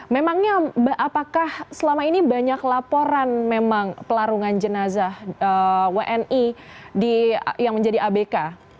memangnya apakah selama ini banyak laporan memang pelarungan jenazah wni yang menjadi abk